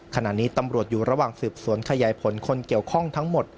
ขณะนี้ตำรวจอยู่ระหว่างสืบสวนขยายผลคนเกี่ยวข้องทั้งหมด